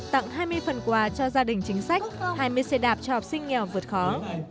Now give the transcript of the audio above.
tặng hai mươi phần quà cho gia đình chính sách hai mươi xe đạp cho học sinh nghèo vượt khó